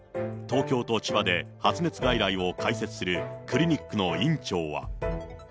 東京と千葉で発熱外来を開設するクリニックの院長は。